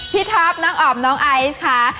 พี่ทัพน้องอ่อมน้องไอซ์ค่ะ